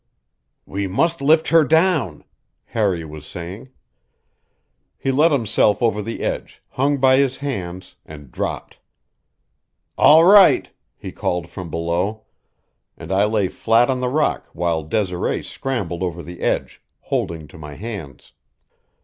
"We must lift her down," Harry was saying. He let himself over the ledge, hung by his hands, and dropped. "All right!" he called from below; and I lay flat on the rock while Desiree scrambled over the edge, holding to my hands.